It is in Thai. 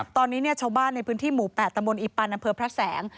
ตอนนี้ชาวบ้านในพื้นที่หมู่๘ตำบลอีปันอำเภอพระแสง